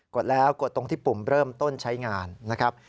ดแล้วกดตรงที่ปุ่มเริ่มต้นใช้งานนะครับ